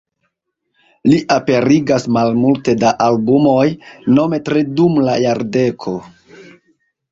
Li aperigas malmulte da albumoj, nome tri dum la jardeko.